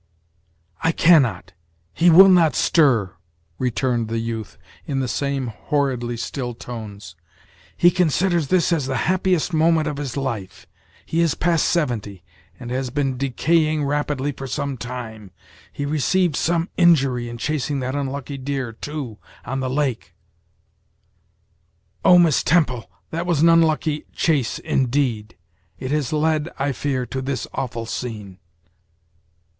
"I cannot he will not stir," returned the youth, in the same horridly still tones. "He considers this as the happiest moment of his life, he is past seventy, and has been decaying rapidly for some time; he received some injury in chasing that unlucky deer, too, on the lake, Oh! Miss Temple, that was an unlucky chase, indeed! it has led, I fear, to this awful scene."